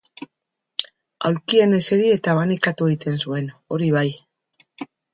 Aulkian eseri eta abanikatu egiten zuen, hori bai.